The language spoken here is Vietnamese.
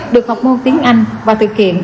được học môn tiếng anh và thực hiện